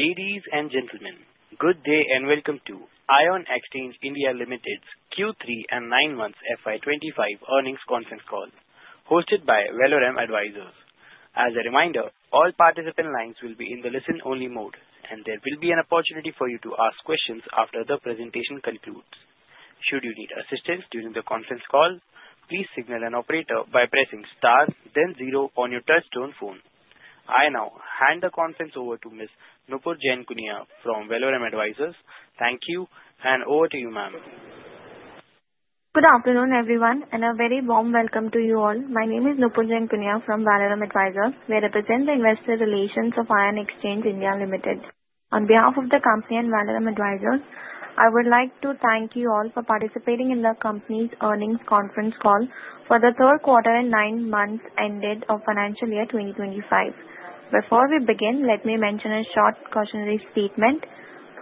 Ladies and gentlemen, good day and welcome to Ion Exchange (India) Limited's Q3 and nine months FY 2025 earnings conference call hosted by Valorem Advisors. As a reminder, all participant lines will be in the listen-only mode, and there will be an opportunity for you to ask questions after the presentation concludes. Should you need assistance during the conference call, please signal an operator by pressing star then zero on your touchtone phone. I now hand the conference over to Ms. Nupur Jain Kunia from Valorem Advisors. Thank you, and over to you, ma'am. Good afternoon, everyone, and a very warm welcome to you all. My name is Nupur Jain Kunia from Valorem Advisors. We represent the investor relations of Ion Exchange (India) Limited. On behalf of the company and Valorem Advisors, I would like to thank you all for participating in the company's earnings conference call for the third quarter and nine months ended of financial year 2025. Before we begin, let me mention a short cautionary statement.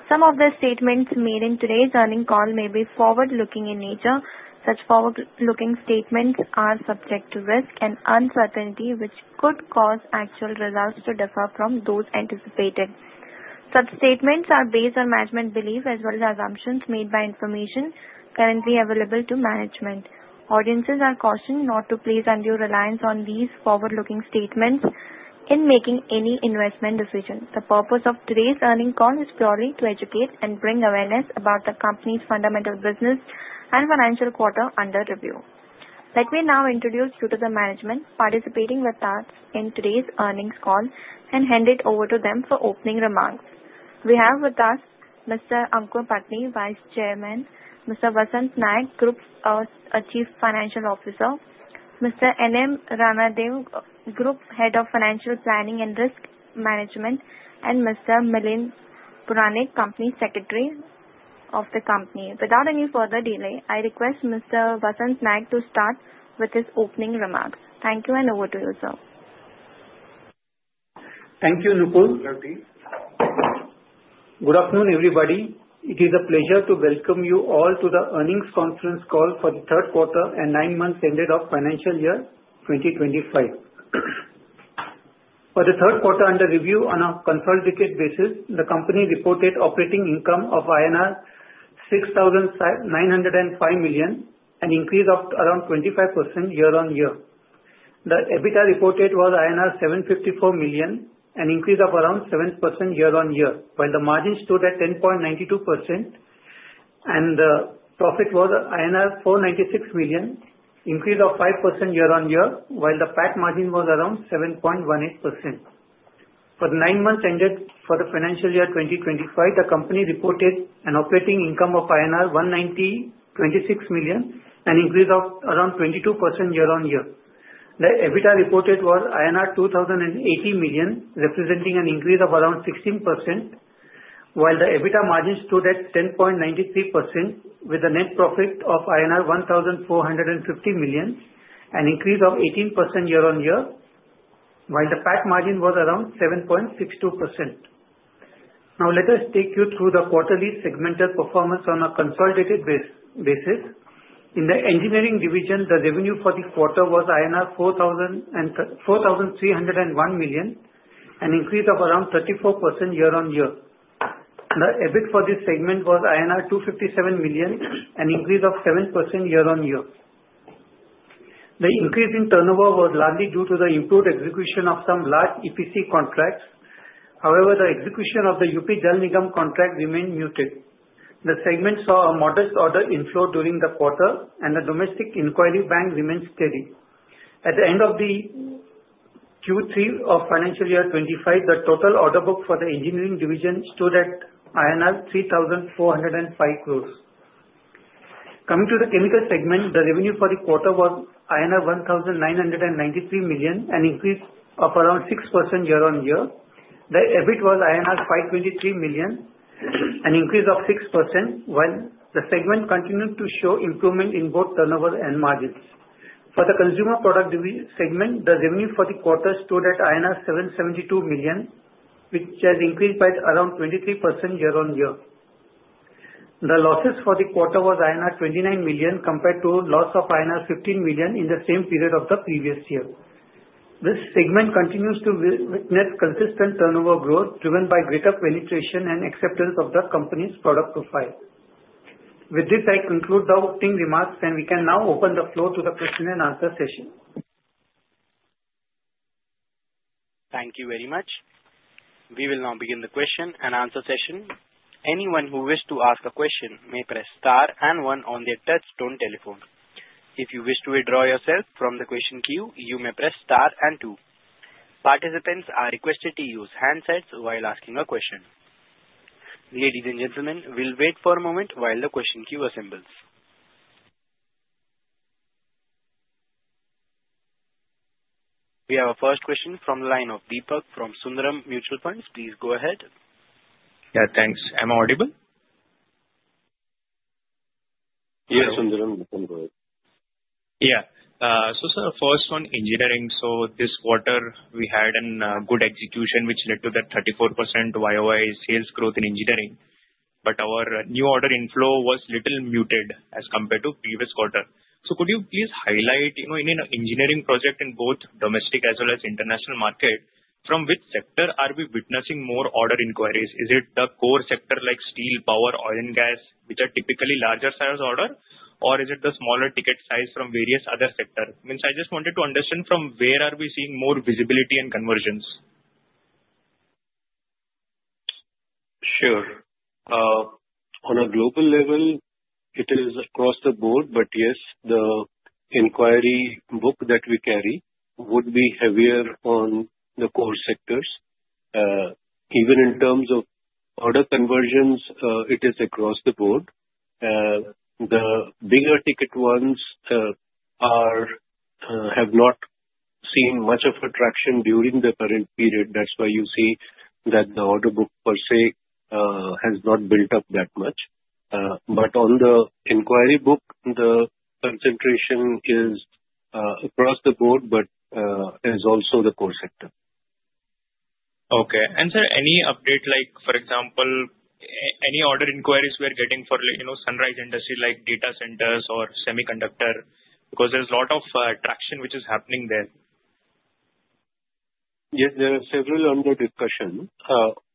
Some of the statements made in today's earnings call may be forward-looking in nature. Such forward-looking statements are subject to risk and uncertainty, which could cause actual results to differ from those anticipated. Such statements are based on management belief as well as assumptions made by information currently available to management. Audiences are cautioned not to place undue reliance on these forward-looking statements in making any investment decision. The purpose of today's earnings call is purely to educate and bring awareness about the company's fundamental business and financial quarter under review. Let me now introduce you to the management participating with us in today's earnings call and hand it over to them for opening remarks. We have with us Mr. Aankur Patni, Vice Chairman; Mr. Vasant Naik, Group Chief Financial Officer; Mr. N. M. Ranadive, Group Head of Financial Planning and Risk Management; and Mr. Milind Puranik, Company Secretary of the company. Without any further delay, I request Mr. Vasant Naik to start with his opening remarks. Thank you, and over to you, sir. Thank you, Nupur. Good afternoon, everybody. It is a pleasure to welcome you all to the earnings conference call for the third quarter and nine months ended of financial year 2025. For the third quarter under review on a consolidated basis, the company reported operating income of INR 6,905 million, an increase of around 25% year-on-year. The EBITDA reported was INR 754 million, an increase of around 7% year-on-year. While the margin stood at 10.92% and the profit was INR 496 million, increase of 5% year-on-year, while the PAT margin was around 7.18%. For the nine months ended for the financial year 2025, the company reported an operating income of INR 190.26 million, an increase of around 22% year-on-year. The EBITDA reported was INR 2,080 million, representing an increase of around 16%, while the EBITDA margin stood at 10.93% with a net profit of INR 1,450 million, an increase of 18% year-on-year, while the PAT margin was around 7.62%. Let us take you through the quarterly segmented performance on a consolidated basis. In the engineering division, the revenue for the quarter was INR 4,301 million, an increase of around 34% year-on-year. The EBIT for this segment was INR 257 million, an increase of 7% year-on-year. The increase in turnover was largely due to the improved execution of some large EPC contracts. The execution of the UP Jal Nigam contract remained muted. The segment saw a modest order inflow during the quarter and the domestic inquiry bank remained steady. At the end of the Q3 of financial year 2025, the total order book for the engineering division stood at INR 3,405 crores. Coming to the chemical segment, the revenue for the quarter was INR 1,993 million, an increase of around 6% year-on-year. The EBIT was INR 523 million, an increase of 6%, while the segment continued to show improvement in both turnover and margins. For the consumer product segment, the revenue for the quarter stood at INR 772 million, which has increased by around 23% year-on-year. The losses for the quarter was INR 29 million compared to loss of INR 15 million in the same period of the previous year. This segment continues to witness consistent turnover growth driven by greater penetration and acceptance of the company's product profile. With this, I conclude the opening remarks. We can now open the floor to the question and answer session. Thank you very much. We will now begin the question and answer session. Anyone who wishes to ask a question may press star and one on their touch-tone telephone. If you wish to withdraw yourself from the question queue, you may press star and two. Participants are requested to use handsets while asking a question. Ladies and gentlemen, we will wait for a moment while the question queue assembles. We have our first question from the line of Deepak from Sundaram Mutual Fund. Please go ahead. Yeah, thanks. Am I audible? Yes, Sundaram. You can go ahead. Yeah. First on engineering. This quarter we had a good execution, which led to that 34% YOY sales growth in engineering. Our new order inflow was little muted as compared to previous quarter. Could you please highlight in an engineering project in both domestic as well as international market, from which sector are we witnessing more order inquiries? Is it the core sector like steel, power, oil and gas, which are typically larger sales order? Or is it the smaller ticket size from various other sector? I just wanted to understand from where are we seeing more visibility and conversions. Sure. On a global level, it is across the board, but yes, the inquiry book that we carry would be heavier on the core sectors. Even in terms of order conversions, it is across the board. The bigger ticket ones have not seen much of attraction during the current period. That's why you see that the order book per se, has not built up that much. On the inquiry book, the concentration is across the board, but is also the core sector. Okay. Sir, any update like, for example, any order inquiries we are getting for sunrise industry like data centers or semiconductor? Because there is a lot of traction which is happening there. Yes, there are several ongoing discussion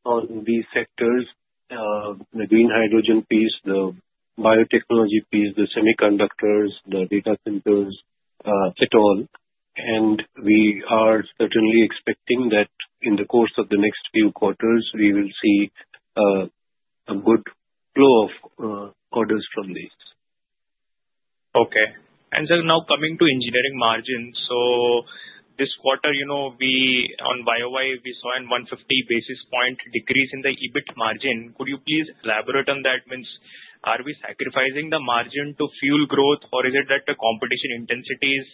on these sectors. The green hydrogen piece, the biotechnology piece, the semiconductors, the data centers, et al. We are certainly expecting that in the course of the next few quarters, we will see a good flow of orders from these. Okay. Sir, now coming to engineering margin. This quarter on year-over-year, we saw a 150 basis point decrease in the EBIT margin. Could you please elaborate on that? Are we sacrificing the margin to fuel growth or is it that the competition intensity is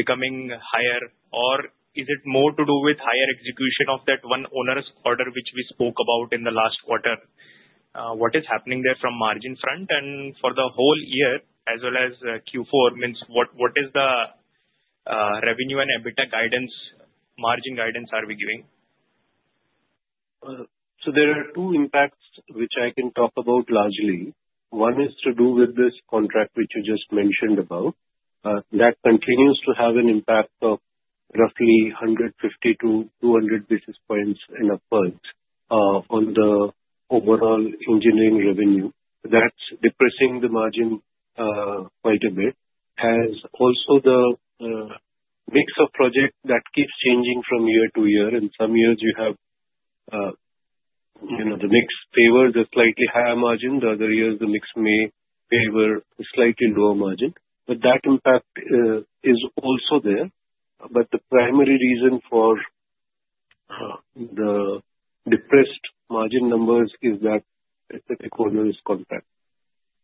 becoming higher? Or is it more to do with higher execution of that one onerous order, which we spoke about in the last quarter? What is happening there from margin front and for the whole year as well as Q4, what is the revenue and EBITDA margin guidance are we giving? There are two impacts which I can talk about largely. One is to do with this contract which you just mentioned about. That continues to have an impact of roughly 150 to 200 basis points in a purge on the overall engineering revenue. That's depressing the margin quite a bit. As also the mix of project that keeps changing from year to year. In some years, you have the mix favor the slightly higher margin, the other years the mix may favor a slightly lower margin. That impact is also there. The primary reason for the depressed margin numbers is that specific onerous contract.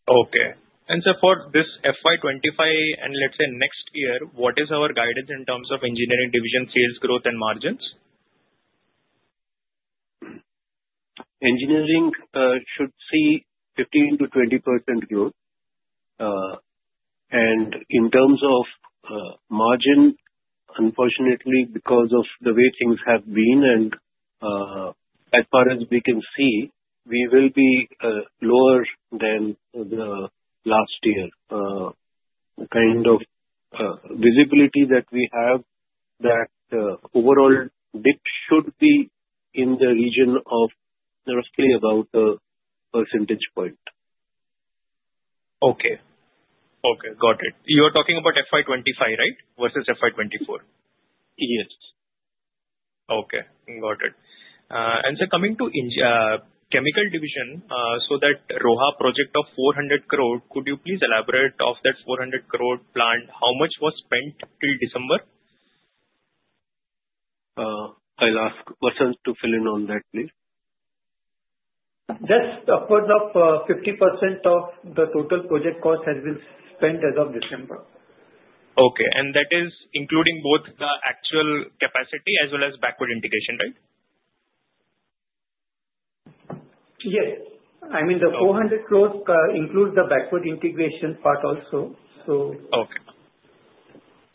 Okay. Sir, for this FY 2025 and let's say next year, what is our guidance in terms of Engineering division sales growth and margins? Engineering should see 15%-20% growth. In terms of margin, unfortunately, because of the way things have been and as far as we can see, we will be lower than the last year. The kind of visibility that we have that overall dip should be in the region of roughly about 1 percentage point. Okay. Got it. You are talking about FY 2025, right? Versus FY 2024. Yes. Okay, got it. Sir, coming to Chemical division, that Roha project of 400 crore, could you please elaborate of that 400 crore plant, how much was spent till December? I'll ask Vasant to fill in on that, please. Just upwards of 50% of the total project cost has been spent as of December. Okay. That is including both the actual capacity as well as backward integration, right? Yes. I mean, the 400 crores includes the backward integration part also. sir,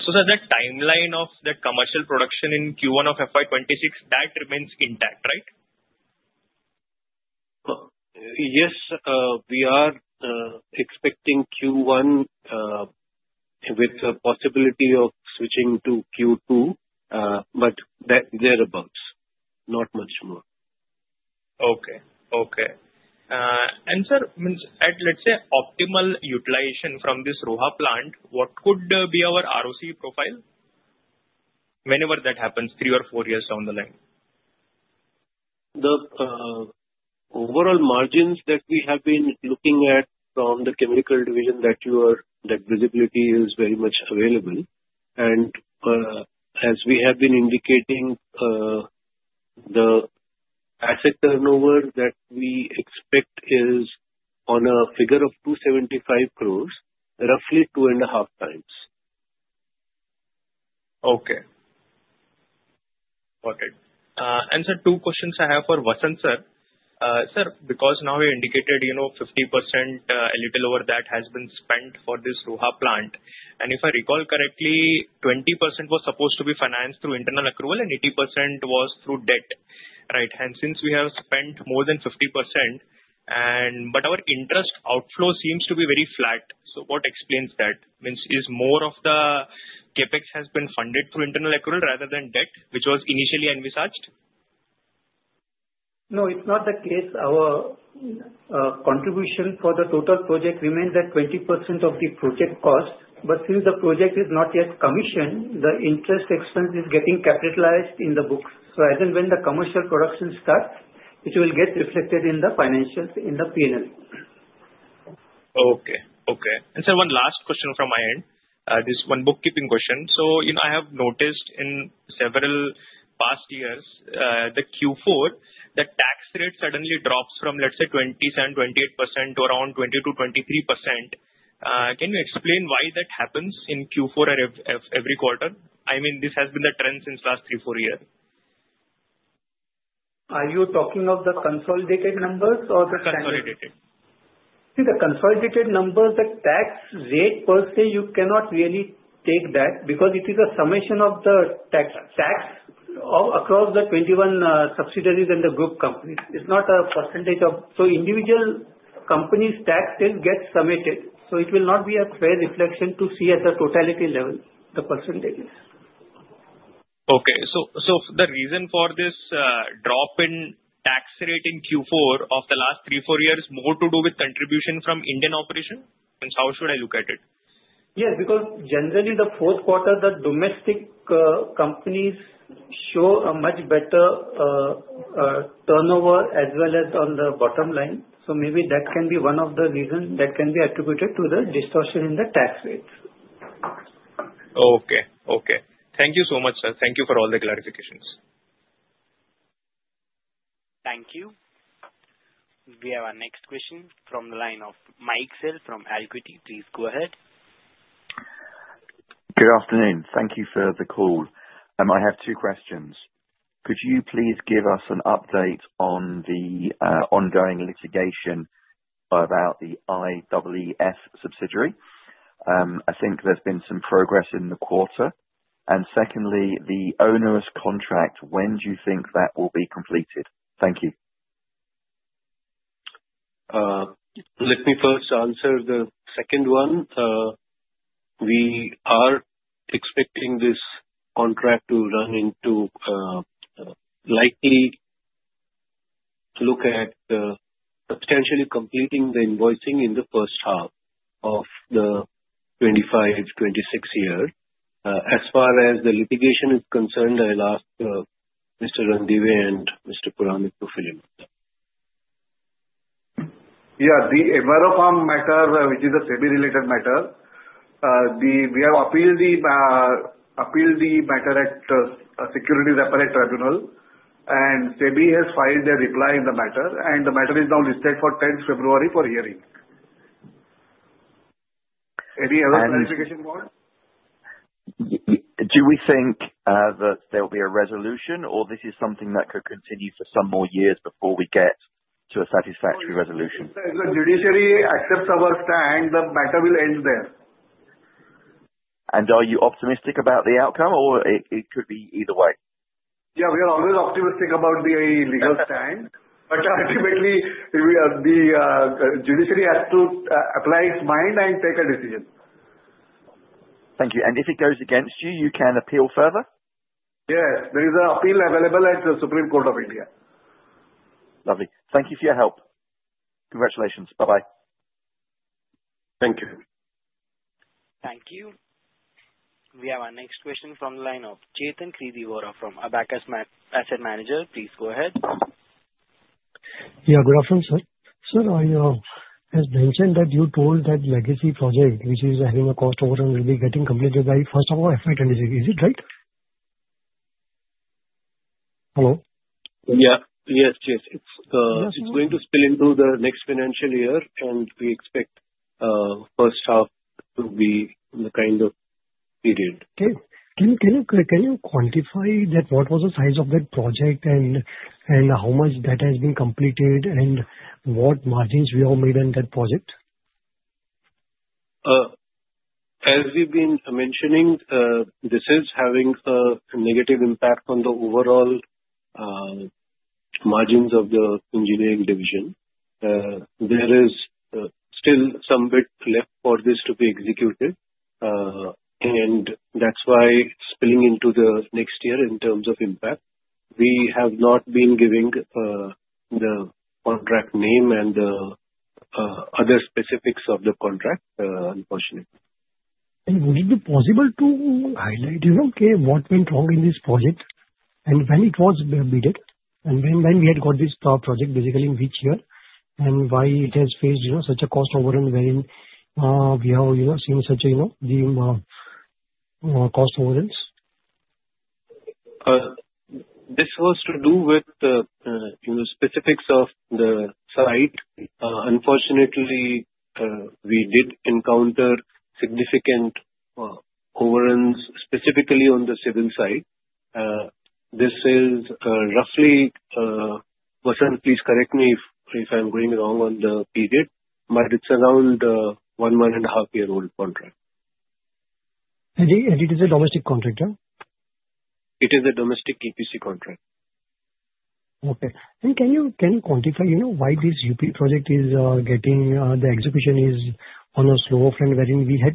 the timeline of the commercial production in Q1 of FY 2026, that remains intact, right? Yes. We are expecting Q1 with a possibility of switching to Q2. Thereabouts, not much more. sir, at, let's say, optimal utilization from this Roha plant, what could be our ROC profile? Whenever that happens three or four years down the line. The overall margins that we have been looking at from the chemical division that visibility is very much available. As we have been indicating, the asset turnover that we expect is on a figure of 275 crores, roughly two and a half times. Sir, two questions I have for Vasant, sir. You indicated 50%, a little over that has been spent for this Roha plant. If I recall correctly, 20% was supposed to be financed through internal accrual and 80% was through debt. Since we have spent more than 50%, our interest outflow seems to be very flat. What explains that? Is more of the CapEx has been funded through internal accrual rather than debt, which was initially envisaged? No, it is not the case. Our contribution for the total project remains at 20% of the project cost. Since the project is not yet commissioned, the interest expense is getting capitalized in the books. As and when the commercial production starts, it will get reflected in the financials in the P&L. Okay. Sir, one last question from my end. Just one bookkeeping question. I have noticed in several past years, the Q4, the tax rate suddenly drops from, let us say, 27%-28% to around 20%-23%. Can you explain why that happens in Q4 every quarter? I mean, this has been the trend since last three, four years. Are you talking of the consolidated numbers or the- Consolidated. The consolidated numbers, the tax rate per se, you cannot really take that because it is a summation of the tax across the 21 subsidiaries and the group companies. It is not a percentage. Individual company's tax rate gets summated, so it will not be a fair reflection to see at the totality level, the percentages. Okay. The reason for this drop in tax rate in Q4 of the last three, four years, more to do with contribution from Indian operation? Means how should I look at it? Yes, because generally the fourth quarter, the domestic companies show a much better turnover as well as on the bottom line. Maybe that can be one of the reasons that can be attributed to the distortion in the tax rates. Okay. Thank you so much, sir. Thank you for all the clarifications. Thank you. We have our next question from the line of Mike Sell from Equity. Please go ahead. Good afternoon. Thank you for the call. I have two questions. Could you please give us an update on the ongoing litigation about the IEEFL subsidiary? I think there has been some progress in the quarter. Secondly, the onerous contract, when do you think that will be completed? Thank you. Let me first answer the second one. We are expecting this contract to run into, likely look at substantially completing the invoicing in the first half of the 2025, 2026 year. As far as the litigation is concerned, I will ask Mr. Ranadive and Mr. Puranik to fill in. The Ion Exchange Enviro Farms matter, which is a SEBI-related matter, we have appealed the matter at Securities Appellate Tribunal. SEBI has filed a reply in the matter. The matter is now listed for 10th February for hearing. Any other clarification required? Do we think that there will be a resolution or this is something that could continue for some more years before we get to a satisfactory resolution? If the judiciary accepts our stand, the matter will end there. Are you optimistic about the outcome or it could be either way? Yeah, we are always optimistic about the legal stand. Ultimately, the judiciary has to apply its mind and take a decision. Thank you. If it goes against you can appeal further? Yes. There is an appeal available at the Supreme Court of India. Lovely. Thank you for your help. Congratulations. Bye-bye. Thank you. Thank you. We have our next question from the line of Chetan Vora from Abacus Asset Manager. Please go ahead. Yeah, good afternoon, sir. Sir, as mentioned that you told that legacy project, which is having a cost overrun, will be getting completed by first quarter FY 2020. Is it right? Hello? Yeah. Yes. It's going to spill into the next financial year, and we expect first half to be the kind of period. Okay. Can you quantify that what was the size of that project and how much that has been completed and what margins we have made on that project? As we've been mentioning, this is having a negative impact on the overall margins of the engineering division. There is still some bit left for this to be executed, that's why it's spilling into the next year in terms of impact. We have not been giving the contract name and other specifics of the contract, unfortunately. Would it be possible to highlight, okay, what went wrong in this project and when it was bidded, and when we had got this project, basically, which year, and why it has faced such a cost overrun wherein we have seen such cost overruns? This was to do with the specifics of the site. Unfortunately, we did encounter significant overruns specifically on the civil side. Vasanth, please correct me if I'm going wrong on the period, but it's around one-and-a-half year old contract. It is a domestic contract? It is a domestic EPC contract. Okay. Can you quantify why this UP project execution is on a slow front, wherein we were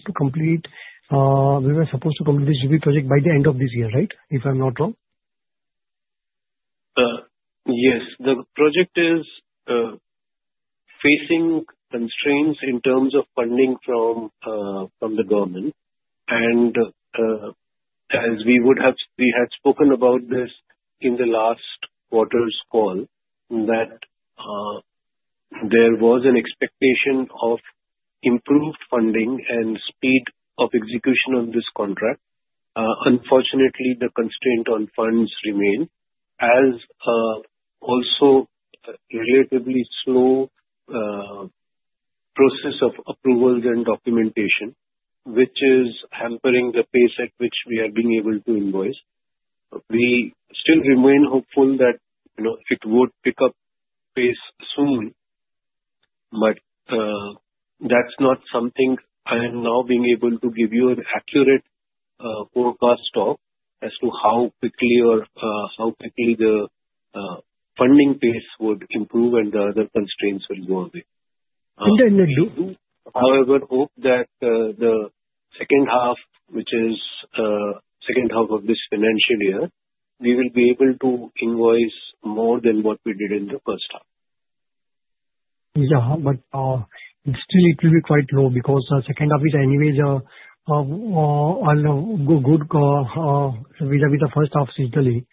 supposed to complete this UP project by the end of this year, right? If I'm not wrong. Yes. The project is facing constraints in terms of funding from the government. As we had spoken about this in the last quarter's call, that there was an expectation of improved funding and speed of execution of this contract. Unfortunately, the constraint on funds remain, as also relatively slow process of approvals and documentation, which is hampering the pace at which we have been able to invoice. We still remain hopeful that it would pick up pace soon. That's not something I am now being able to give you an accurate forecast of, as to how quickly the funding pace would improve and the other constraints will go away. Understood. We, however, hope that the second half of this financial year, we will be able to invoice more than what we did in the first half. Still it will be quite low because second half is anyways good vis-a-vis the first half, certainly.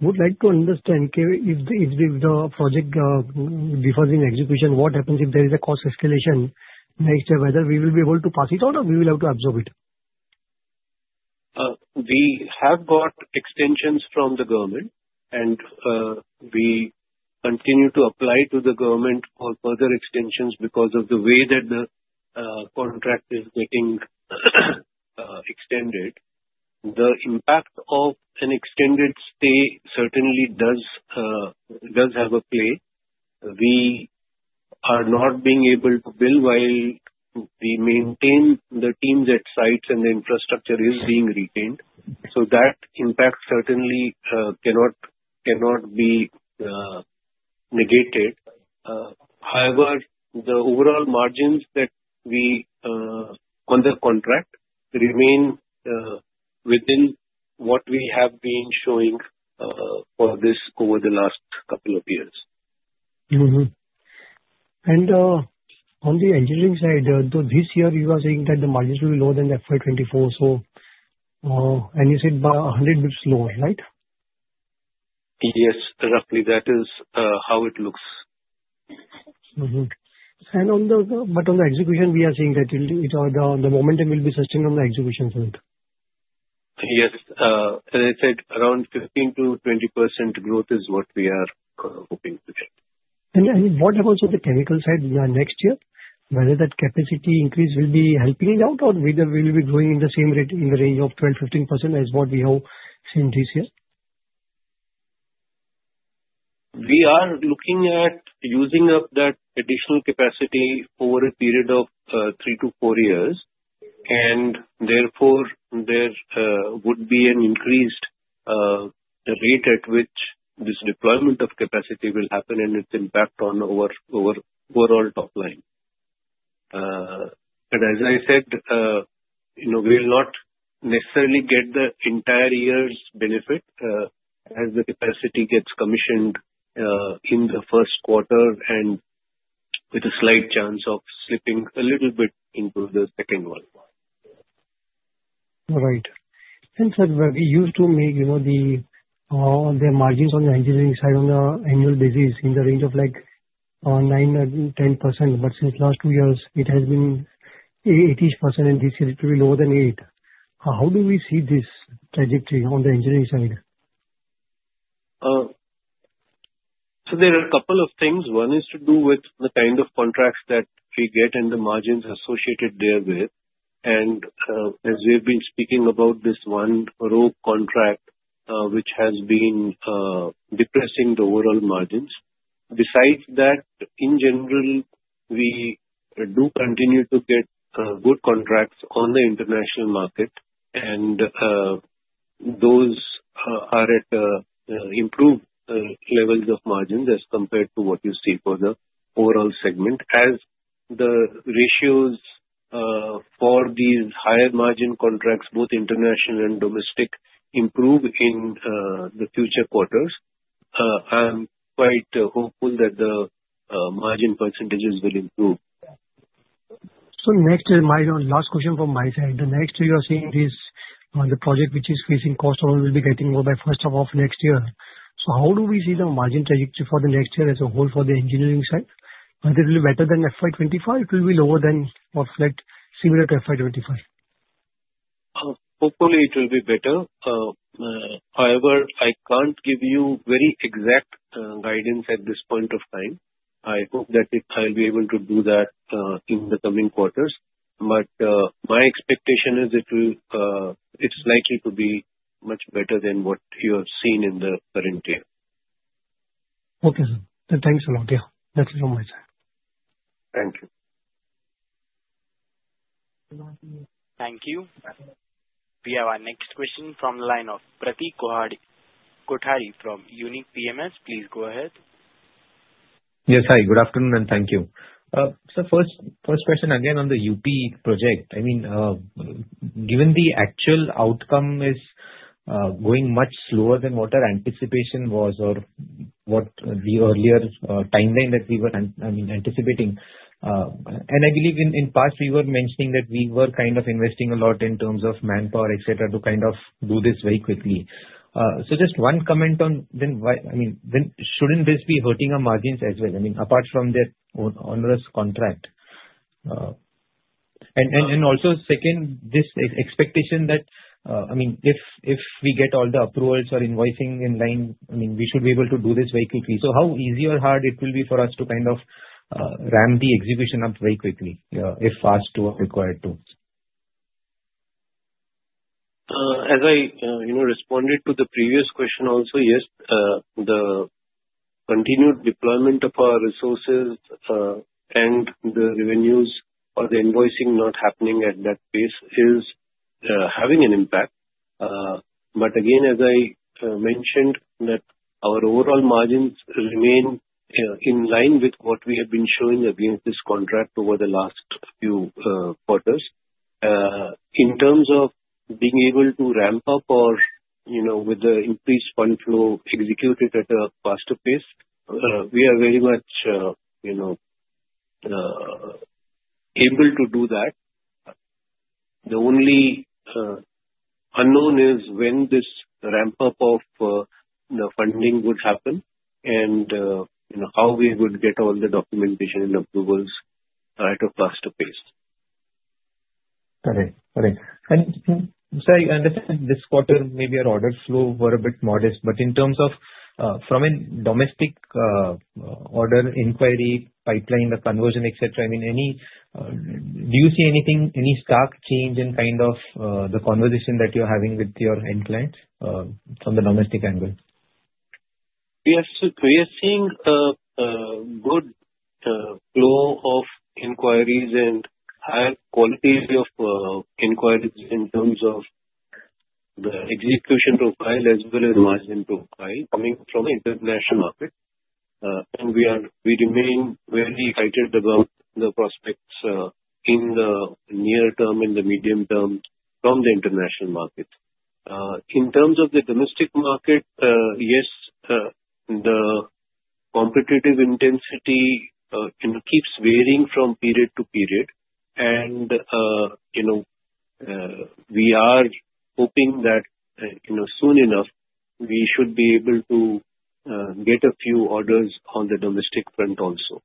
Would like to understand, if the project defers in execution, what happens if there is a cost escalation next year, whether we will be able to pass it on or we will have to absorb it? We have got extensions from the government, we continue to apply to the government for further extensions because of the way that the contract is getting extended. The impact of an extended stay certainly does have a play. We are not being able to bill while we maintain the teams at sites and infrastructure is being retained. That impact certainly cannot be negated. However, the overall margins on the contract remain within what we have been showing for this over the last couple of years. Mm-hmm. On the engineering side, this year you are saying that the margins will be lower than FY 2024, and you said by 100 basis points lower, right? Yes. Roughly, that is how it looks. On the execution, we are seeing that the momentum will be sustained on the execution front. Yes. As I said, around 15%-20% growth is what we are hoping to get. What happens with the chemical side next year? Whether that capacity increase will be helping it out or whether we'll be growing in the same rate, in the range of 12%-15% as what we have seen this year? We are looking at using up that additional capacity over a period of three to four years, and therefore, there would be an increased rate at which this deployment of capacity will happen and its impact on our overall top line. As I said, we'll not necessarily get the entire year's benefit as the capacity gets commissioned in the first quarter and with a slight chance of slipping a little bit into the second one. All right. Sir, we used to make the margins on the engineering side on an annual basis in the range of 9% or 10%, but since last two years it has been 8% and this year it will be lower than 8%. How do we see this trajectory on the engineering side? There are a couple of things. One is to do with the kind of contracts that we get and the margins associated therewith. As we've been speaking about this one rogue contract which has been depressing the overall margins. Besides that, in general, we do continue to get good contracts on the international market, and those are at improved levels of margins as compared to what you see for the overall segment. As the ratios for these higher margin contracts, both international and domestic, improve in the future quarters, I am quite hopeful that the margin percentages will improve. My last question from my side. The next year you are saying the project which is facing cost overruns will be getting over by first half of next year. How do we see the margin trajectory for the next year as a whole for the engineering side? Whether it will be better than FY 2025, it will be lower than or similar to FY 2025? Hopefully, it will be better. However, I can't give you very exact guidance at this point of time. I hope that I'll be able to do that in the coming quarters. My expectation is it's likely to be much better than what you have seen in the current year. Okay, sir. Thanks a lot. That is all from my side. Thank you. Thank you. We have our next question from the line of Pratik Kothari from Unique PMS. Please go ahead. Yes, hi. Good afternoon, and thank you. Sir, first question, again on the UP project. Given the actual outcome is going much slower than what our anticipation was or the earlier timeline that we were anticipating. I believe in past, we were mentioning that we were kind of investing a lot in terms of manpower, et cetera, to kind of do this very quickly. Just one comment on then shouldn't this be hurting our margins as well? Apart from their onerous contract. Also second, this expectation that if we get all the approvals or invoicing in line, we should be able to do this very quickly. How easy or hard it will be for us to kind of ramp the execution up very quickly if asked or required to? As I responded to the previous question also, yes, the continued deployment of our resources and the revenues or the invoicing not happening at that pace is having an impact. Again, as I mentioned, that our overall margins remain in line with what we have been showing against this contract over the last few quarters. In terms of being able to ramp up or with the increased fund flow execute it at a faster pace, we are very much able to do that. The only unknown is when this ramp-up of funding would happen and how we would get all the documentation and approvals at a faster pace. Correct. Sir, I understand this quarter maybe our order flow were a bit modest, but in terms of from a domestic order inquiry pipeline, the conversion, et cetera, do you see any stark change in kind of the conversation that you're having with your end clients from the domestic angle? Yes. We are seeing a good flow of inquiries and higher quality of inquiries in terms of the execution profile as well as margin profile coming from the international market. We remain very excited about the prospects in the near term and the medium term from the international market. In terms of the domestic market, yes, the competitive intensity keeps varying from period to period and we are hoping that soon enough we should be able to get a few orders on the domestic front also.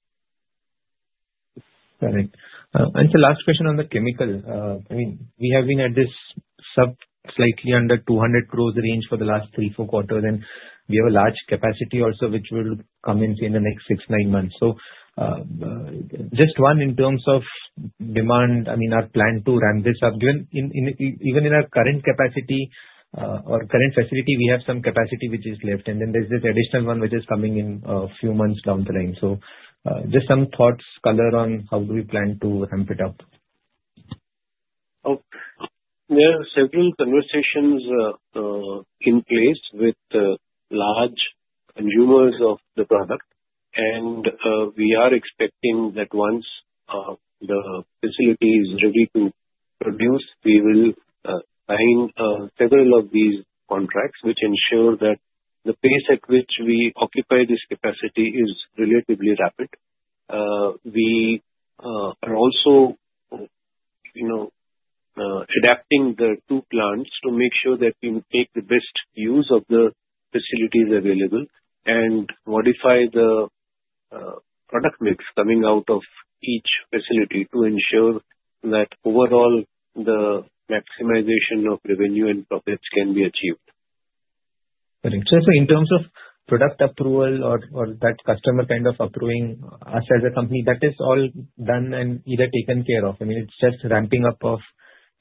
Correct. Sir, last question on the chemical. We have been at this sub slightly under 200 crores range for the last three, four quarters, and we have a large capacity also which will come in say in the next six, nine months. Just one in terms of demand, our plan to ramp this up, given even in our current capacity or current facility, we have some capacity which is left, and then there's this additional one which is coming in a few months down the line. Just some thoughts, color on how do we plan to ramp it up? There are several conversations in place with large consumers of the product, we are expecting that once the facility is ready to produce, we will sign several of these contracts which ensure that the pace at which we occupy this capacity is relatively rapid. We are also adapting the two plants to make sure that we make the best use of the facilities available and modify the product mix coming out of each facility to ensure that overall, the maximization of revenue and profits can be achieved. Correct. In terms of product approval or that customer kind of approving us as a company, that is all done and either taken care of. It's just ramping up of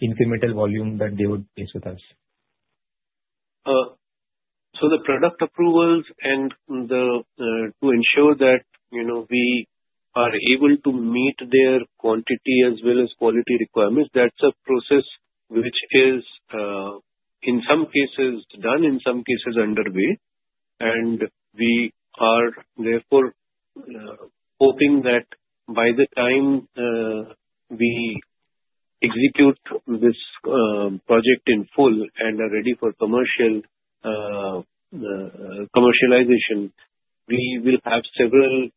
incremental volume that they would place with us. The product approvals and to ensure that we are able to meet their quantity as well as quality requirements, that's a process which is in some cases done, in some cases underway, we are therefore hoping that by the time we execute this project in full and are ready for commercialization, we will have several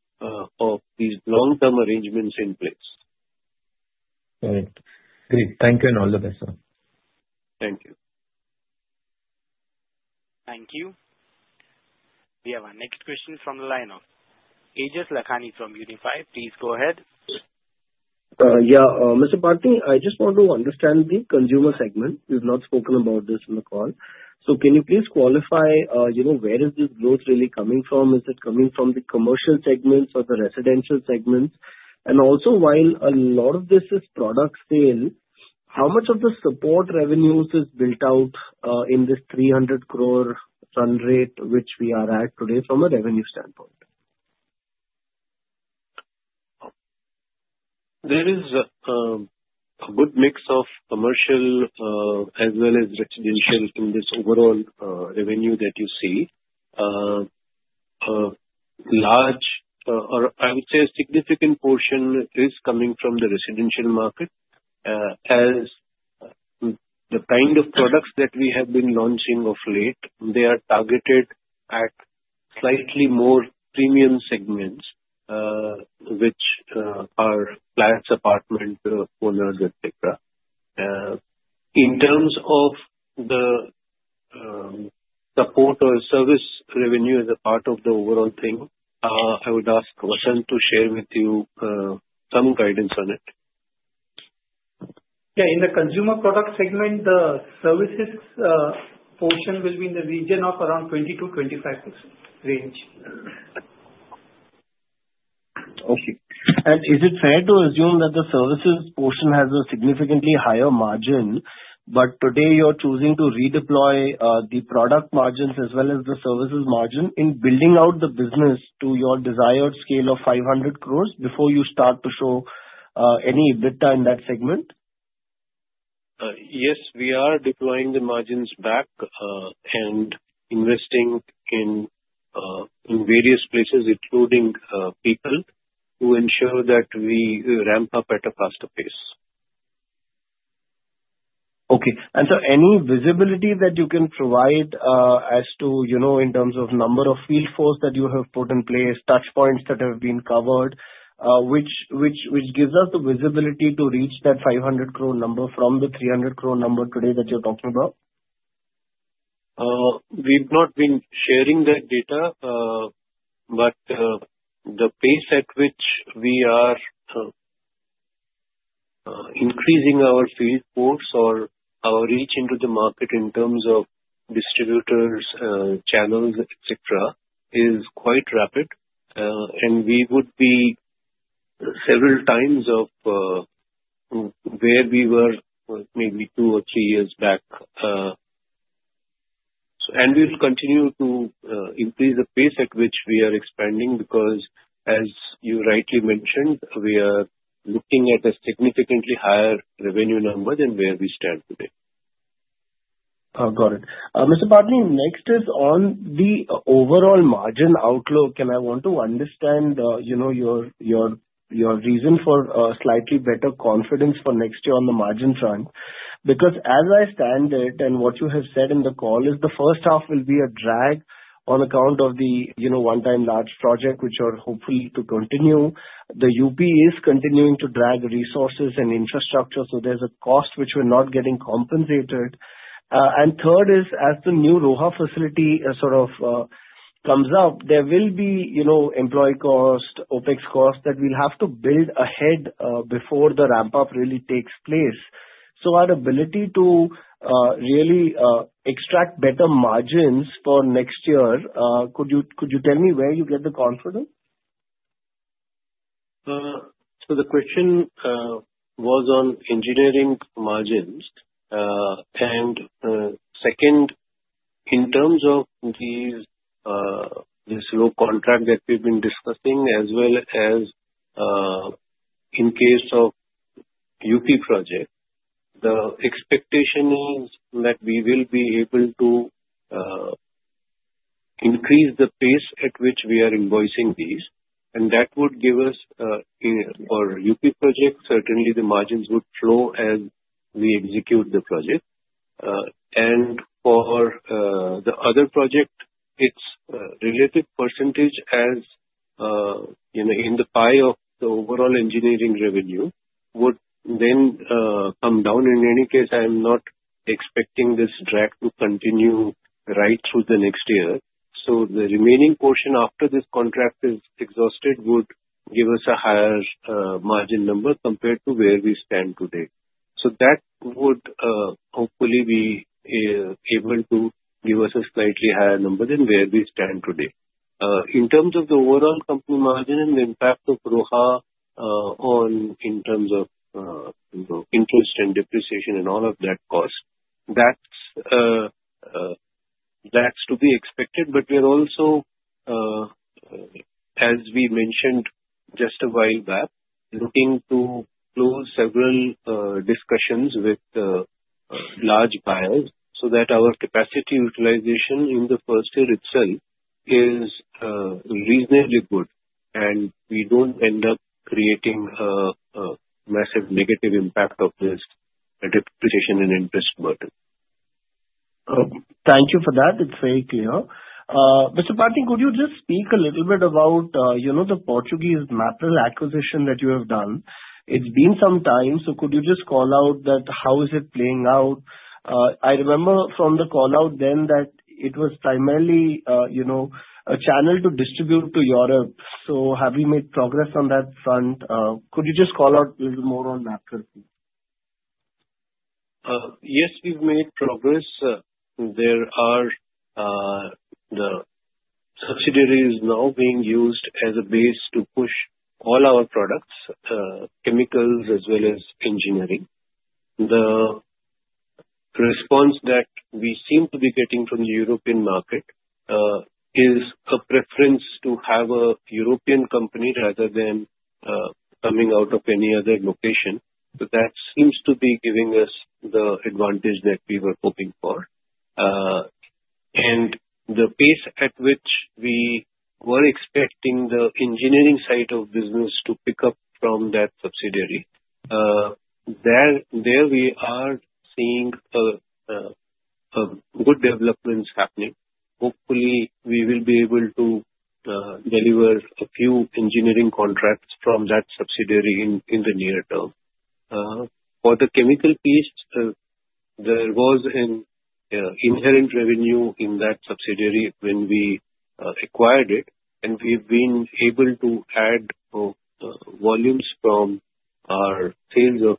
of these long-term arrangements in place. Correct. Great. Thank you and all the best, sir. Thank you. Thank you. We have our next question from the line of Ajit Lakhaney from Unifi. Please go ahead. Mr. Bhatti, I just want to understand the consumer segment. You've not spoken about this in the call. Can you please qualify, where is this growth really coming from? Is it coming from the commercial segments or the residential segments? Also, while a lot of this is product sale, how much of the support revenues is built out in this 300 crore run rate, which we are at today from a revenue standpoint? There is a good mix of commercial as well as residential in this overall revenue that you see. I would say a significant portion is coming from the residential market, as the kind of products that we have been launching of late, they are targeted at slightly more premium segments, which are flats, apartment owners, et cetera. In terms of the support or service revenue as a part of the overall thing, I would ask Vasant to share with you some guidance on it. Yeah, in the consumer product segment, the services portion will be in the region of around 20%-25% range. Okay. Is it fair to assume that the services portion has a significantly higher margin, but today you're choosing to redeploy the product margins as well as the services margin in building out the business to your desired scale of 500 crores before you start to show any EBITDA in that segment? Yes, we are deploying the margins back and investing in various places, including people, to ensure that we ramp up at a faster pace. Okay. Any visibility that you can provide as to, in terms of number of field force that you have put in place, touch points that have been covered, which gives us the visibility to reach that 500 crore number from the 300 crore number today that you're talking about? We've not been sharing that data, but the pace at which we are increasing our field force or our reach into the market in terms of distributors, channels, et cetera, is quite rapid. We would be several times of where we were maybe two or three years back. We will continue to increase the pace at which we are expanding because, as you rightly mentioned, we are looking at a significantly higher revenue number than where we stand today. Got it. Mr. Bhatti, next is on the overall margin outlook. I want to understand your reason for slightly better confidence for next year on the margin front. Because as I stand it, and what you have said in the call is the first half will be a drag on account of the one-time large project, which are hopefully to continue. The UP is continuing to drag resources and infrastructure, so there's a cost which we're not getting compensated. Third is, as the new Roha facility comes up, there will be employee cost, OPEX cost that we'll have to build ahead before the ramp-up really takes place. Our ability to really extract better margins for next year, could you tell me where you get the confidence? The question was on engineering margins. Second, in terms of this low contract that we've been discussing, as well as in case of UP project, the expectation is that we will be able to increase the pace at which we are invoicing these, and that would give us, for UP project, certainly the margins would flow as we execute the project. For the other project, its related percentage as in the pie of the overall engineering revenue would then come down. In any case, I am not expecting this drag to continue right through the next year. The remaining portion after this contract is exhausted would give us a higher margin number compared to where we stand today. That would hopefully be able to give us a slightly higher number than where we stand today. In terms of the overall company margin and impact of Roha on in terms of interest and depreciation and all of that cost, that's to be expected. We're also, as we mentioned just a while back, looking to close several discussions with large buyers so that our capacity utilization in the first year itself is reasonably good and we don't end up creating a massive negative impact of this depreciation and interest burden. Thank you for that. It's very clear. Mr. Bhatti, could you just speak a little bit about the Portuguese Mapril acquisition that you have done? It's been some time, could you just call out that how is it playing out? I remember from the call-out then that it was primarily a channel to distribute to Europe. Have we made progress on that front? Could you just call out a little more on Mapril, please? Yes, we've made progress. The subsidiary is now being used as a base to push all our products, chemicals as well as engineering. The response that we seem to be getting from the European market is a preference to have a European company rather than coming out of any other location. That seems to be giving us the advantage that we were hoping for. The pace at which we were expecting the engineering side of business to pick up from that subsidiary, there we are seeing good developments happening. Hopefully, we will be able to deliver a few engineering contracts from that subsidiary in the near term. For the chemical piece, there was an inherent revenue in that subsidiary when we acquired it, and we've been able to add volumes from our sales of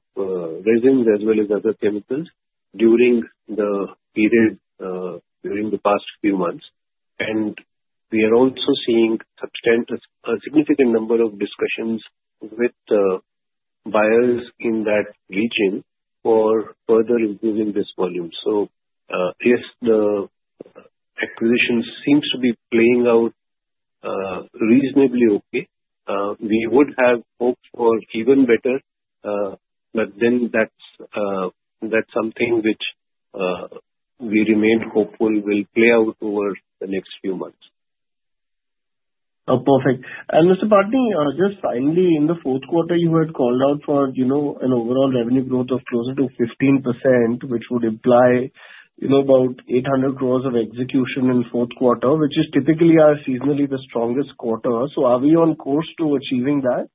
resins as well as other chemicals during the past few months. We are also seeing a significant number of discussions with buyers in that region for further improving this volume. Yes, the acquisition seems to be playing out reasonably okay. We would have hoped for even better, that's something which we remain hopeful will play out over the next few months. Perfect. Mr. Patni, just finally, in the fourth quarter, you had called out for an overall revenue growth of closer to 15%, which would imply about 800 crores of execution in fourth quarter, which is typically our seasonally the strongest quarter. Are we on course to achieving that?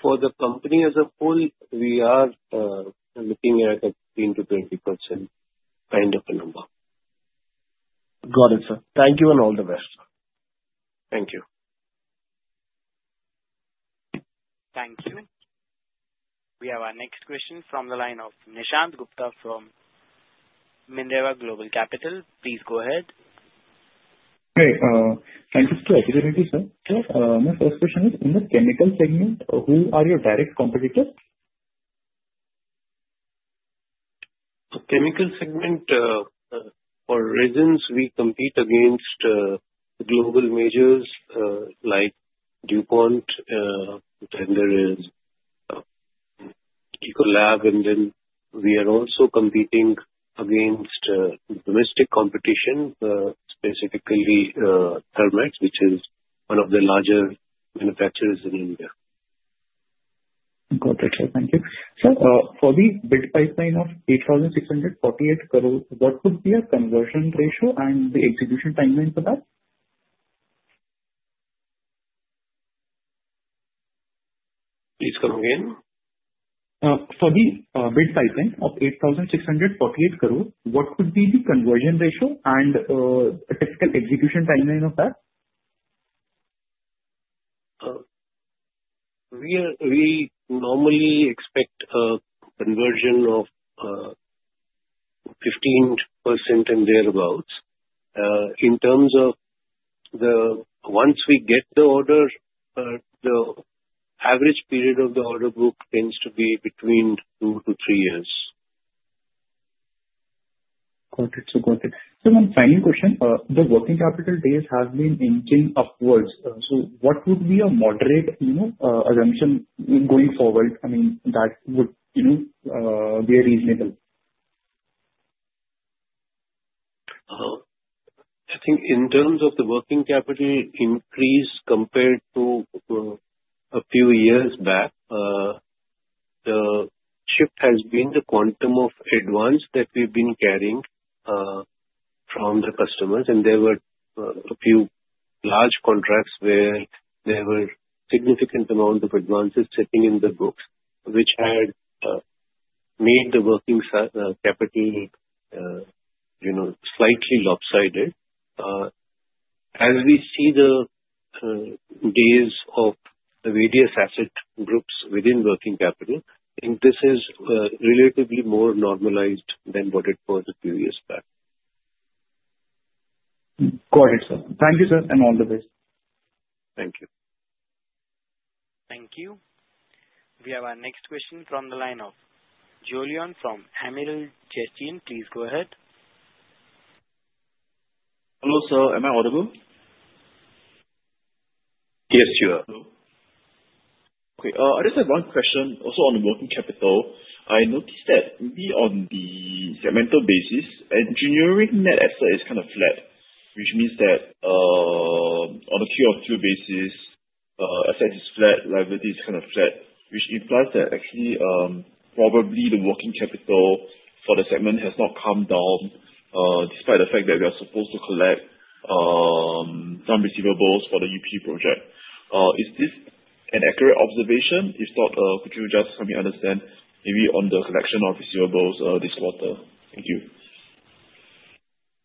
For the company as a whole, we are looking at a 15%-20% kind of a number. Got it, sir. Thank you. All the best. Thank you. Thank you. We have our next question from the line of Nishant Gupta from Minerva Global Capital. Please go ahead. Hi. Thank you for the opportunity, sir. Sure. My first question is, in the chemical segment, who are your direct competitors? The chemical segment, for resins, we compete against global majors like DuPont, then there is Ecolab, and then we are also competing against domestic competition, specifically Thermax, which is one of the larger manufacturers in India. Got it, sir. Thank you. Sir, for the bid pipeline of 8,648 crore, what would be a conversion ratio and the execution timeline for that? Please come again. For the bid pipeline of 8,648 crore, what would be the conversion ratio and typical execution timeline of that? We normally expect a conversion of 15% and thereabouts. In terms of once we get the order, the average period of the order book tends to be between two to three years. Got it, sir. One final question. The working capital days have been inching upwards. What would be a moderate assumption going forward, that would be reasonable? I think in terms of the working capital increase compared to a few years back, the shift has been the quantum of advance that we've been carrying from the customers, and there were a few large contracts where there were significant amount of advances sitting in the books, which had made the working capital slightly lopsided. As we see the days of the various asset groups within working capital, this is relatively more normalized than what it was a few years back. Got it, sir. Thank you, sir, and all the best. Thank you. Thank you. We have our next question from the line of Julien from Amiral Gestion. Please go ahead. Hello, sir. Am I audible? Yes, you are. Hello. Okay. I just have one question also on the working capital. I noticed that maybe on the segmental basis, engineering net asset is kind of flat, which means that on a two-up two basis, asset is flat, liability is kind of flat, which implies that actually, probably the working capital for the segment has not come down, despite the fact that we are supposed to collect some receivables for the UP project. Is this an accurate observation? If not, could you just help me understand maybe on the collection of receivables this quarter? Thank you.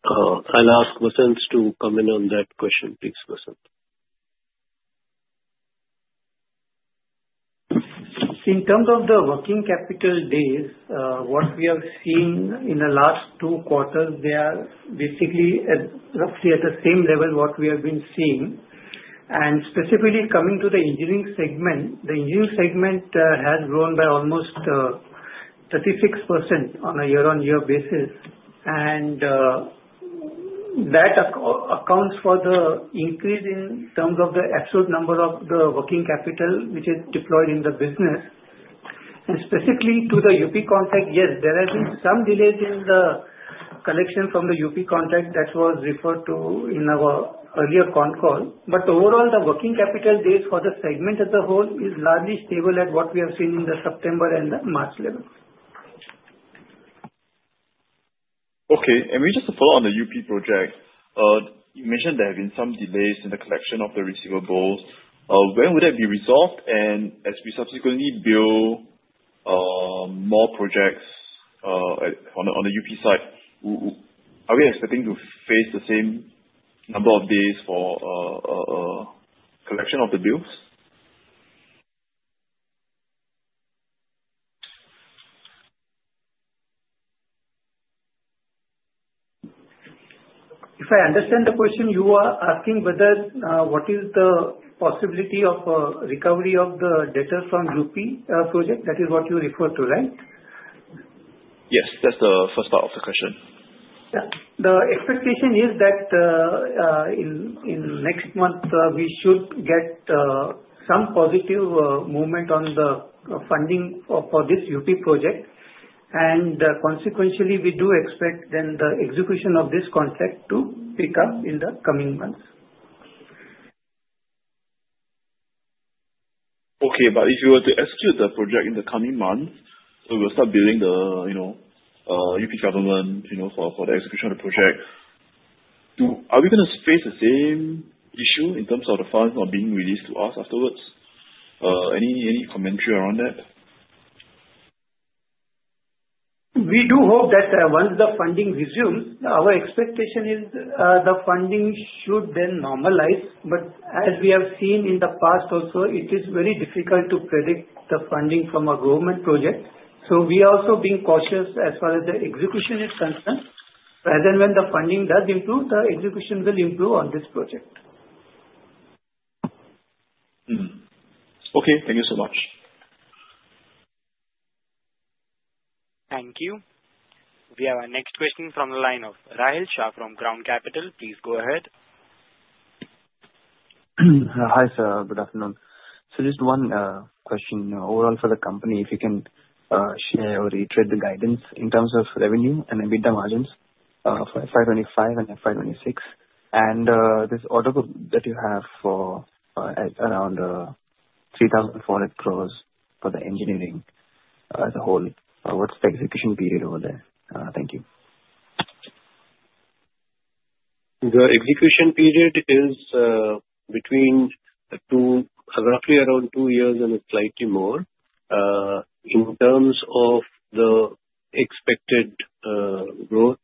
I'll ask Vasant to comment on that question. Please, Vasant. In terms of the working capital days, what we have seen in the last two quarters, they are basically roughly at the same level what we have been seeing. Specifically coming to the engineering segment, the engineering segment has grown by almost 36% on a year-on-year basis. That accounts for the increase in terms of the absolute number of the working capital, which is deployed in the business. Specifically to the UP contract, yes, there has been some delays in the collection from the UP contract that was referred to in our earlier con call. Overall, the working capital days for the segment as a whole is largely stable at what we have seen in the September and March level. Okay. May I just follow on the UP project. You mentioned there have been some delays in the collection of the receivables. When would that be resolved? As we subsequently bill more projects on the UP side, are we expecting to face the same number of days for collection of the bills? If I understand the question, you are asking whether what is the possibility of recovery of the debtors from UP project. That is what you refer to, right? Yes, that's the first part of the question. Yeah. The expectation is that in next month, we should get some positive movement on the funding for this UP project. Consequentially, we do expect the execution of this contract to pick up in the coming months. Okay. If you were to execute the project in the coming months, we'll start billing the UP government for the execution of the project. Are we going to face the same issue in terms of the funds not being released to us afterwards? Any commentary around that? We do hope that once the funding resumes, our expectation is the funding should normalize. As we have seen in the past also, it is very difficult to predict the funding from a government project. We are also being cautious as far as the execution is concerned. Rather than when the funding does improve, the execution will improve on this project. Mm-hmm. Okay. Thank you so much. Thank you. We have our next question from the line of Rahil Shah from Crown Capital. Please go ahead. Hi, sir. Good afternoon. Just one question overall for the company, if you can share or iterate the guidance in terms of revenue and EBITDA margins for FY 2025 and FY 2026. This order book that you have for around 3,000 product crore for the engineering as a whole, what's the execution period over there? Thank you. The execution period is between roughly around two years and slightly more. In terms of the expected growth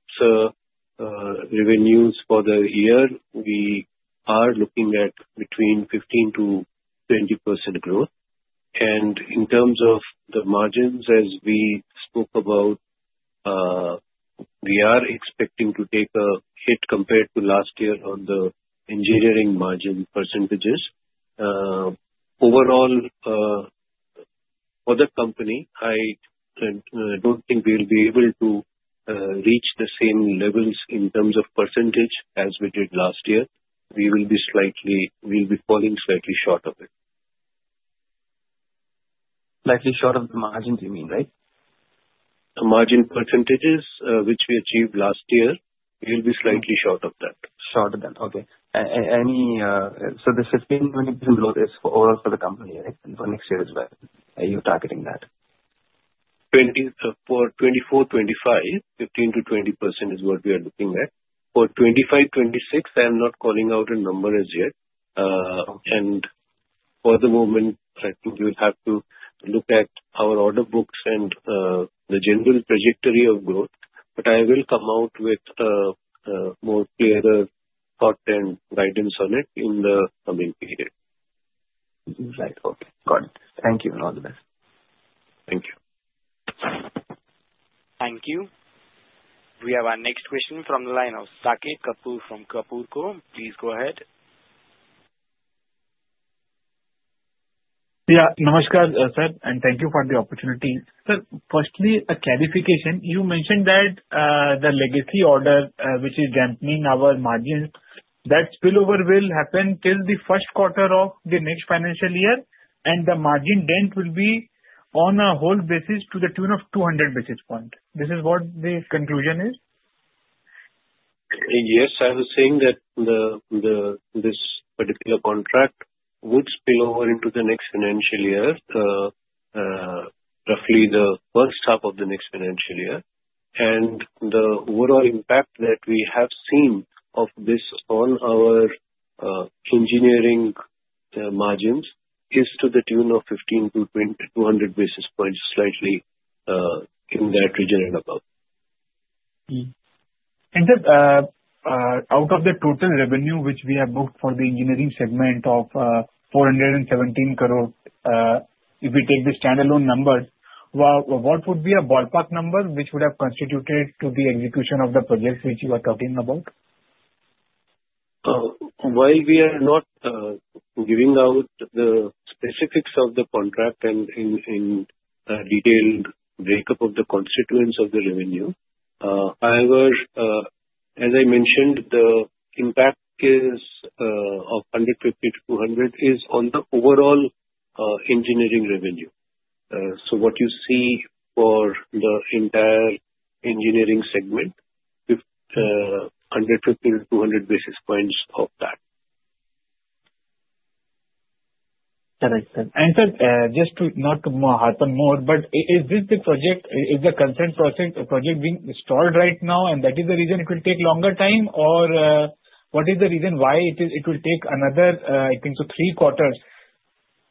revenues for the year, we are looking at between 15%-20% growth. In terms of the margins, as we spoke about, we are expecting to take a hit compared to last year on the engineering margin percentages. Overall for the company, I don't think we'll be able to reach the same levels in terms of percentage as we did last year. We will be falling slightly short of it. Slightly short of the margins, you mean, right? The margin percentages which we achieved last year, we'll be slightly short of that. Short of that. Okay. This 15%-20% growth is overall for the company, right? For next year as well. Are you targeting that? For 2024, 2025, 15%-20% is what we are looking at. For 2025, 2026, I'm not calling out a number as yet. Okay. For the moment, frankly, we'll have to look at our order books and the general trajectory of growth. I will come out with a more clearer thought and guidance on it in the coming period. Right. Okay. Got it. Thank you, and all the best. Thank you. Thank you. We have our next question from the line of Saket Kapoor from Kapoor & Co. Please go ahead. Yeah. Namaskar, sir, and thank you for the opportunity. Sir, firstly, a clarification. You mentioned that the legacy order, which is dampening our margins, that spillover will happen till the first quarter of the next financial year, and the margin dent will be on a whole basis to the tune of 200 basis points. This is what the conclusion is? Yes, I was saying that this particular contract would spill over into the next financial year, roughly the first half of the next financial year. The overall impact that we have seen of this on our engineering margins is to the tune of 15 to 20 to 100 basis points, slightly in that region and above. Sir, out of the total revenue, which we have booked for the engineering segment of 417 crore, if we take the standalone numbers, what would be a ballpark number which would have constituted to the execution of the projects which you are talking about? While we are not giving out the specifics of the contract and in detailed breakup of the constituents of the revenue. However, as I mentioned, the impact is of 150 to 200 is on the overall engineering revenue. What you see for the entire engineering segment, is 150 to 200 basis points of that. Correct, sir. Sir, just to not harp on more, but is the project being stalled right now and that is the reason it will take longer time or what is the reason why it will take another, I think so three quarters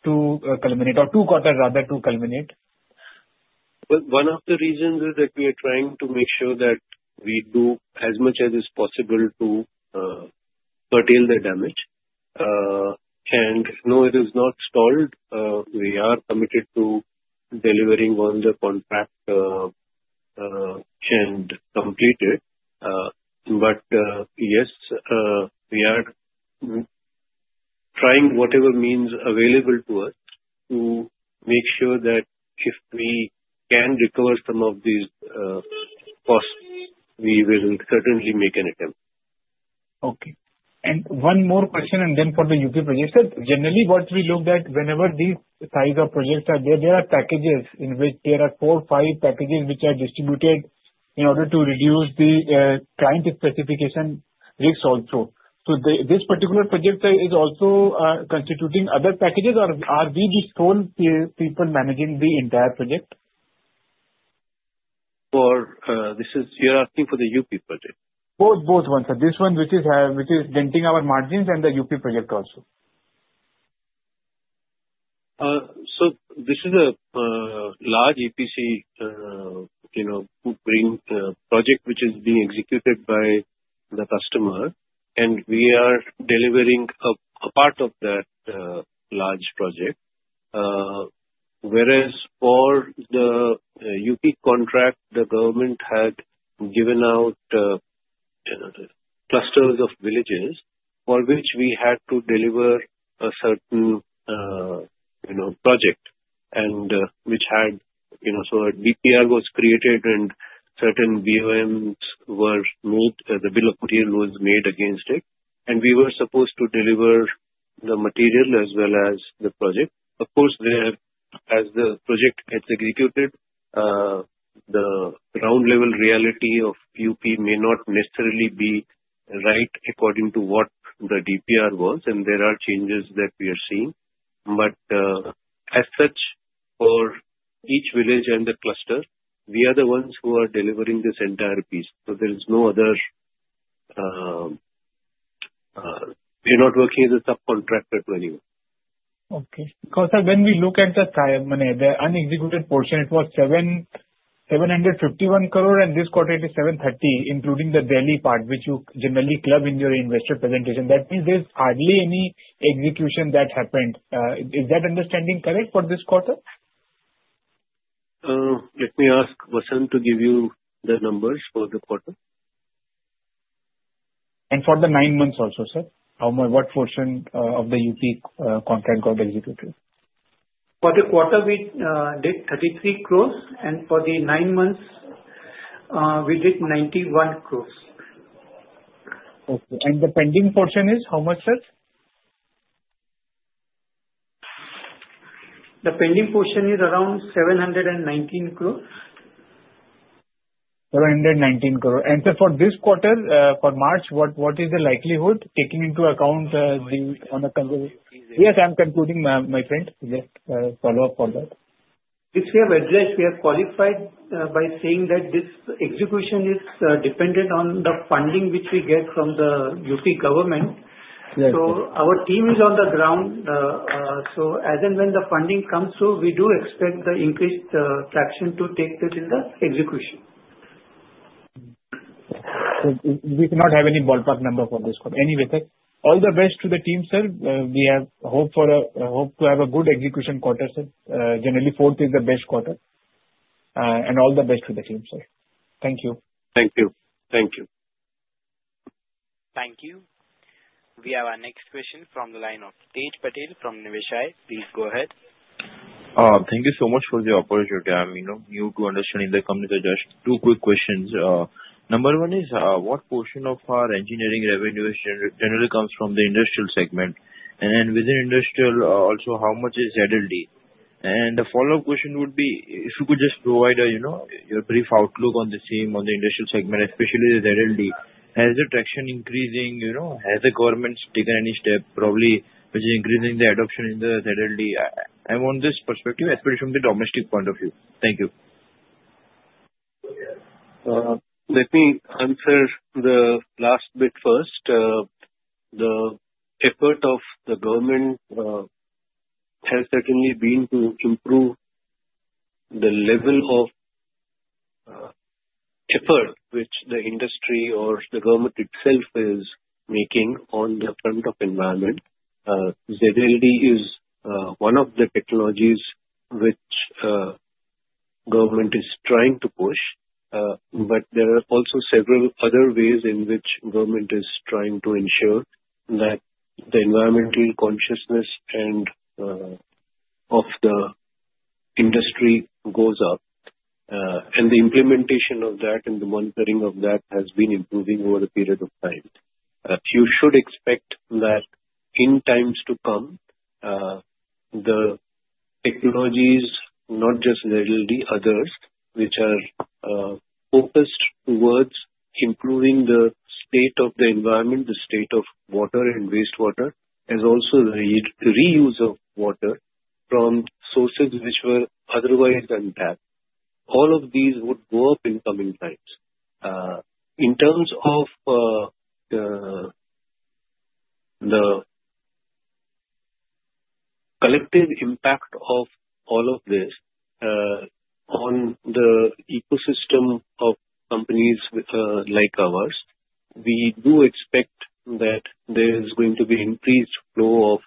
to culminate or two quarters rather to culminate? One of the reasons is that we are trying to make sure that we do as much as is possible to curtail the damage. No, it is not stalled. We are committed to delivering on the contract and complete it. Yes, we are trying whatever means available to us to make sure that if we can recover some of these costs, we will certainly make an attempt. Okay. One more question and then for the UP project. Sir, generally, what we looked at, whenever these size of projects are there. There are packages in which there are four, five packages which are distributed in order to reduce the client specification risk also. This particular project is also constituting other packages or are we the sole people managing the entire project? You're asking for the UP project? Both one, sir. This one which is denting our margins and the UP project also. This is a large EPC project which is being executed by the customer and we are delivering a part of that large project. Whereas for the UP contract, the government had given out clusters of villages for which we had to deliver a certain project and which had. A DPR was created and certain BOM were moved. The bill of material was made against it, and we were supposed to deliver the material as well as the project. Of course, as the project gets executed, the ground level reality of UP may not necessarily be right according to what the DPR was, and there are changes that we are seeing. As such, for each village and the cluster, we are the ones who are delivering this entire piece. We're not working as a subcontractor to anyone. Okay. Sir, when we look at the unexecuted portion, it was 751 crore and this quarter it is 730 including the Delhi part which you generally club in your investor presentation. There's hardly any execution that happened. Is that understanding correct for this quarter? Let me ask Vasan to give you the numbers for the quarter. For the nine months also, sir. What portion of the UP contract got executed? For the quarter, we did 33 crore and for the nine months, we did 91 crore. Okay. The pending portion is how much, sir? The pending portion is around 719 crore. 719 crore. Sir for this quarter, for March, what is the likelihood? Please conclude. Yes, I'm concluding, my friend. Just a follow-up on that. Which we have addressed. We have qualified by saying that this execution is dependent on the funding which we get from the UP government. Right. Our team is on the ground. As and when the funding comes through, we do expect the increased traction to take this in the execution. We cannot have any ballpark number for this quarter. Anyway, sir, all the best to the team, sir. We have hope to have a good execution quarter, sir. Generally, fourth is the best quarter. All the best to the team, sir. Thank you. Thank you. Thank you. We have our next question from the line of Tej Patel from Niveshaay. Please go ahead. Thank you so much for the opportunity. I'm new to understanding the company. Just two quick questions. Number 1 is, what portion of our engineering revenue generally comes from the industrial segment? Within industrial, also, how much is ZLD? The follow-up question would be, if you could just provide your brief outlook on the same on the industrial segment, especially the ZLD. Has the traction increasing? Has the government taken any step probably which is increasing the adoption in the ZLD? I want this perspective, especially from the domestic point of view. Thank you. Let me answer the last bit first. The effort of the government has certainly been to improve the level of effort which the industry or the government itself is making on the front of environment. ZLD is one of the technologies which government is trying to push. There are also several other ways in which government is trying to ensure that the environmental consciousness of the industry goes up. The implementation of that and the monitoring of that has been improving over a period of time. You should expect that in times to come, the technologies, not just ZLD, others, which are focused towards improving the state of the environment, the state of water and wastewater, as also the reuse of water from sources which were otherwise untapped. All of these would work in coming times. In terms of the collective impact of all of this on the ecosystem of companies like ours, we do expect that there is going to be increased flow of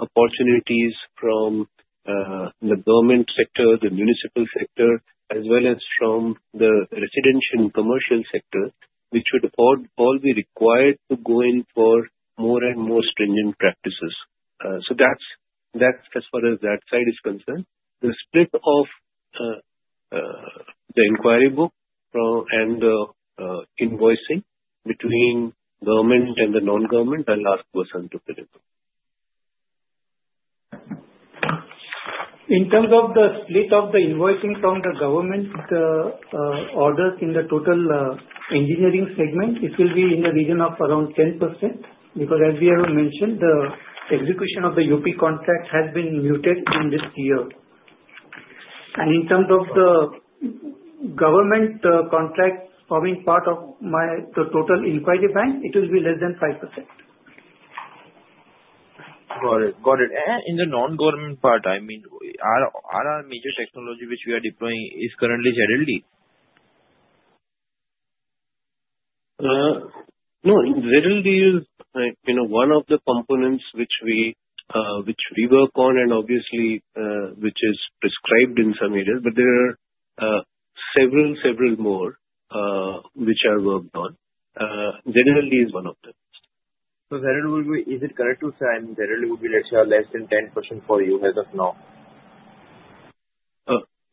opportunities from the government sector, the municipal sector, as well as from the residential and commercial sector, which would all be required to go in for more and more stringent practices. That's as far as that side is concerned. The split of the inquiry book and the invoicing between government and the non-government, I'll ask Vasant to deliver. In terms of the split of the invoicing from the government orders in the total engineering segment, it will be in the region of around 10%, because as we have mentioned, the execution of the UP contract has been muted in this year. In terms of the government contract forming part of my total inquiry bank, it will be less than 5%. Got it. In the non-government part, our major technology which we are deploying is currently ZLD? No, ZLD is one of the components which we work on and obviously which is prescribed in some areas, but there are several more which are worked on. ZLD is one of them. Is it correct to say ZLD would be less than 10% for you as of now?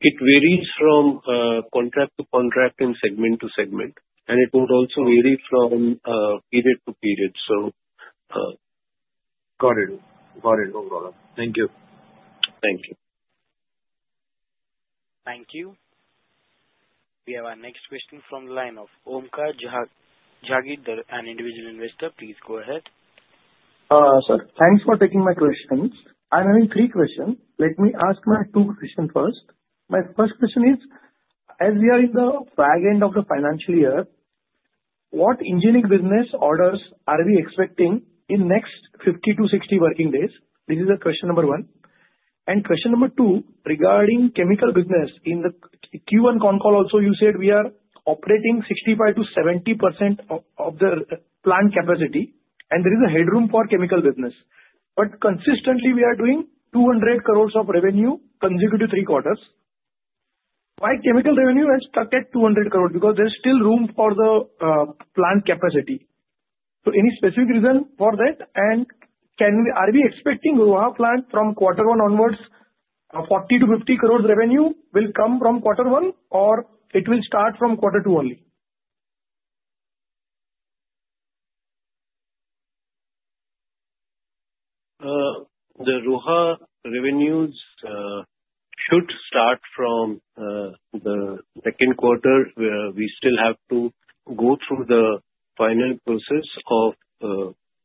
It varies from contract to contract and segment to segment, and it would also vary from period to period. Got it. No problem. Thank you. Thank you. Thank you. We have our next question from the line of Omkar Jagir, an individual investor. Please go ahead. Sir, thanks for taking my questions. I'm having three questions. Let me ask my two questions first. My first question is: as we are in the back end of the financial year, what engineering business orders are we expecting in next 50 to 60 working days? This is question number one. Question number two: regarding chemical business, in the Q1 con call also, you said we are operating 65%-70% of the plant capacity, and there is a headroom for chemical business. Consistently we are doing 200 crore of revenue, consecutive three quarters. Why chemical revenue has stuck at 200 crore? There's still room for the plant capacity. Any specific reason for that? Are we expecting Roha plant from quarter one onwards, 40 crore-50 crore revenue will come from quarter one, or it will start from quarter two only? The Roha revenues should start from the second quarter, where we still have to go through the final process of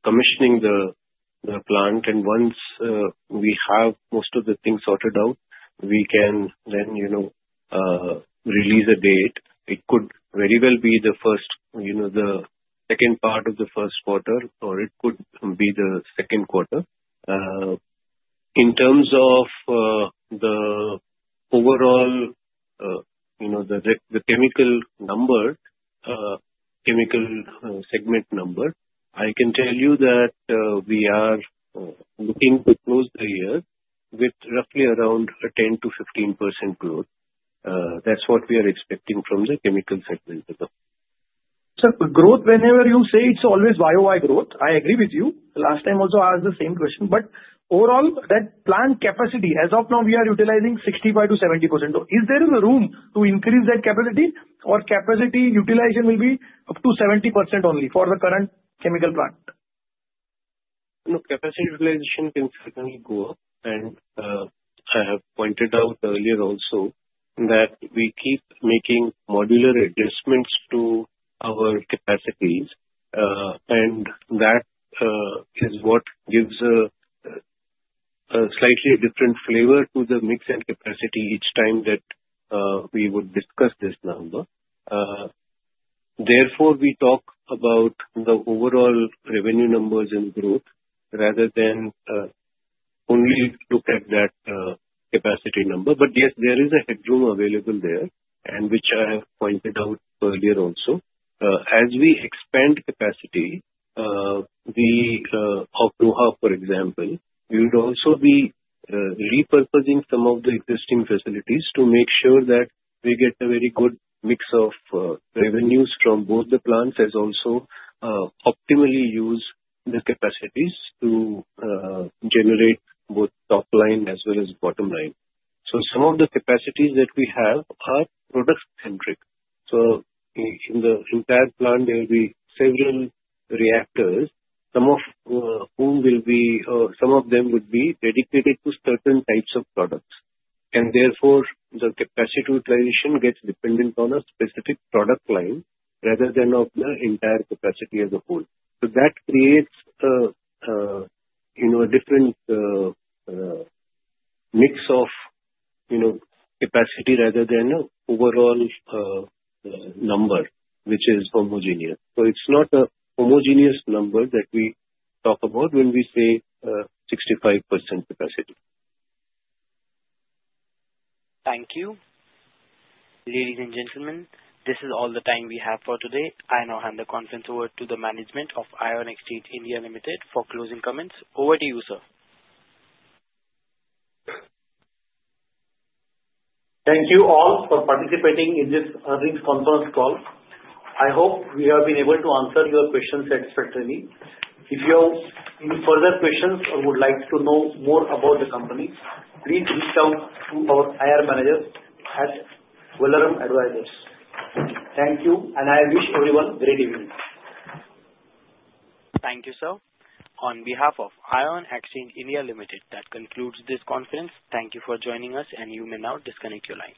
commissioning the plant. Once we have most of the things sorted out, we can then release a date. It could very well be the second part of the first quarter, or it could be the second quarter. In terms of the overall chemical segment number, I can tell you that we are looking to close the year with roughly around a 10%-15% growth. That's what we are expecting from the chemical segment as well. Sir, growth, whenever you say it's always YOY growth, I agree with you. Last time also I asked the same question, but overall, that plant capacity, as of now, we are utilizing 65%-70%. Is there a room to increase that capacity or capacity utilization will be up to 70% only for the current chemical plant? No, capacity utilization can certainly go up. I have pointed out earlier also that we keep making modular adjustments to our capacities. That is what gives a slightly different flavor to the mix and capacity each time that we would discuss this number. Therefore, we talk about the overall revenue numbers and growth rather than only look at that capacity number. Yes, there is a headroom available there, and which I have pointed out earlier also. As we expand capacity, for example, we would also be repurposing some of the existing facilities to make sure that we get a very good mix of revenues from both the plants, as also optimally use the capacities to generate both top line as well as bottom line. Some of the capacities that we have are product-centric. In the entire plant, there will be several reactors. Some of them would be dedicated to certain types of products, therefore, the capacity utilization gets dependent on a specific product line rather than of the entire capacity as a whole. That creates a different mix of capacity rather than a overall number, which is homogeneous. It's not a homogeneous number that we talk about when we say 65% capacity. Thank you. Ladies and gentlemen, this is all the time we have for today. I now hand the conference over to the management of Ion Exchange India Limited for closing comments. Over to you, sir. Thank you all for participating in this earnings conference call. I hope we have been able to answer your questions satisfactorily. If you have any further questions or would like to know more about the company, please reach out to our IR managers at Valorem Advisors. Thank you, and I wish everyone great evening. Thank you, sir. On behalf of Ion Exchange India Limited, that concludes this conference. Thank you for joining us, and you may now disconnect your line.